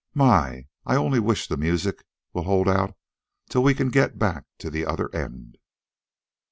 My! I only wish the music'll hold out till we can get back to the other end."